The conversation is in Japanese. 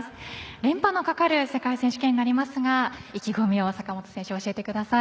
連覇のかかる世界選手権になりますが意気込みを坂本選手教えてください。